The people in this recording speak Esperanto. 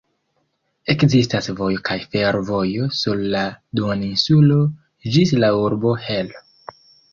Ekzistas vojo kaj fervojo sur la duoninsulo ĝis la urbo Hel.